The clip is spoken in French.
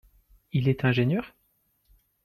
Il est ingénieur?